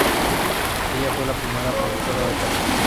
Ella fue su primera profesora de canto.